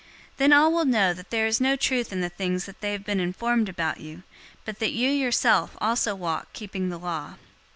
Then all will know that there is no truth in the things that they have been informed about you, but that you yourself also walk keeping the law.